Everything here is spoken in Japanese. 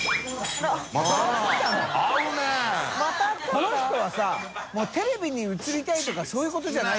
この人はさ發テレビに映りたいとかそういうことじゃないよね。